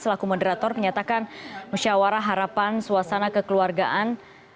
selaku moderator menyatakan musyawarah harapan suasana kekeluargaan